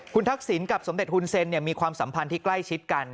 คุณทักษิณกับสมเด็จฮุนเซนมีความสัมพันธ์ที่ใกล้ชิดกัน